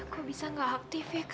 kok bisa enggak aktif ya kak